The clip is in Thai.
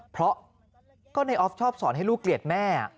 เพราะก็ในออฟชอบสอนให้ลูกเกลียดแม่